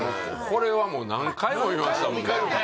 これはもう何回も見ましたもんね